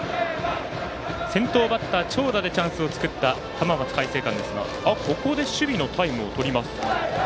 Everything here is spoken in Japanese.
先頭バッター長打でチャンスを作った浜松開誠館ですがここで、守備のタイムをとります。